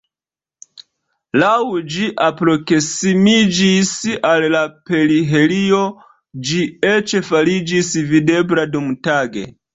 Laŭ ĝi alproksimiĝis al la perihelio ĝi eĉ fariĝis videbla dumtage.